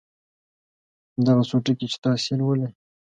دغه څو ټکي چې تاسې یې لولئ.